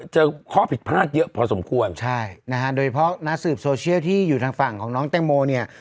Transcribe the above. เจอข้อผิดพลาดเยอะพอสมควรใช่นะฮะโดยเฉพาะนักสืบโซเชียลที่อยู่ทางฝั่งของน้องแตงโมเนี่ย